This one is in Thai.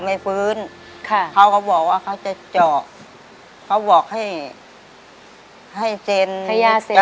ก็ไม่ฟื้นค่ะเขาก็บอกว่าเขาจะเจาะเขาบอกให้เขาบอกให้เซ็นให้ย่าเสร็จ